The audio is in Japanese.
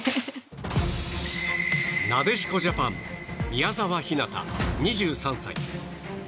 なでしこジャパン宮澤ひなた、２３歳。